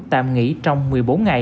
tạm nghỉ trong một mươi bốn ngày